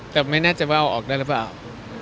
แต่ไม่น่าจะว่าเอาออกได้หรือเปล่า